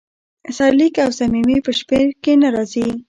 سرلیک او ضمیمې په شمیر کې نه راځي.